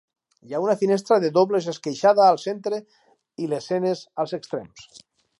Hi ha una finestra de dobles esqueixada al centre i lesenes als extrems.